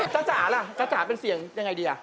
ยักษาเป็นเสียงยังไงดี